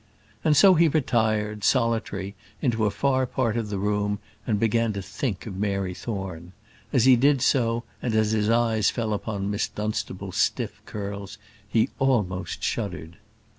And so he retired, solitary, into a far part of the room, and began to think of Mary Thorne. As he did so, and as his eyes fell upon Miss Dunstable's stiff curls, he almost shuddered.